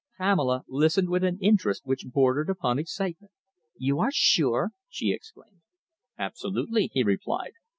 Pamela listened with an interest which bordered upon excitement. "You are sure?" she exclaimed. "Absolutely," he replied.